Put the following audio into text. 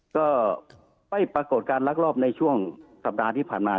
ก็ไม่ปรากฏการลักลอบในช่วงสัปดาห์ที่ผ่านมา